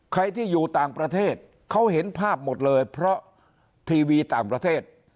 ใครที่อยู่ต่างประเทศเขาเห็นภาพหมดเลยเพราะทีวีต่างประเทศ